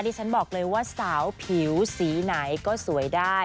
ที่ฉันบอกเลยว่าสาวผิวสีไหนก็สวยได้